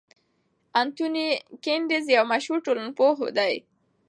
انتوني ګیدنز یو مشهور ټولنپوه دی.